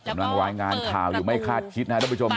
มันวางงานข่าวอยู่ไม่คาดคิดนะทุกประโยชน์ค่ะ